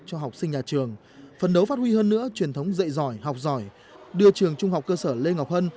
cho học sinh nhà trường phấn đấu phát huy hơn nữa truyền thống dạy giỏi học giỏi đưa trường trung học cơ sở lê ngọc hân